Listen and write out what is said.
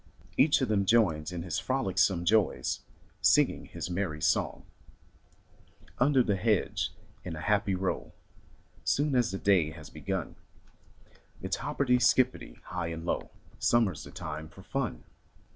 Each of them joins in his frolicsome joys, Singing his merry song. 226 IN THE NURSERY Under the hedge in a happy row, Soon as the day has begun, It's hopperty, skipperty, high and low — Summer's the time for fun.